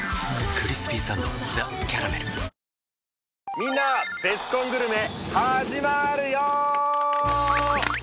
みんなベスコングルメ始まるよ！